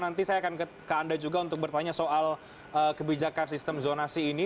nanti saya akan ke anda juga untuk bertanya soal kebijakan sistem zonasi ini